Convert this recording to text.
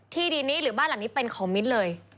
ที่ดินนี้หรือบ้านหลังนี้เป็นของมิ้นเลย